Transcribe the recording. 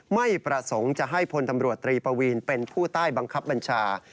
ไม่ประสงค์จะให้พลตำรวจตรีปวีนเป็นผู้ใต้บังคับบัญชา